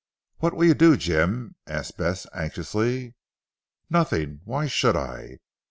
"What will you do Jim?" asked Bess anxiously. "Nothing. Why should I?"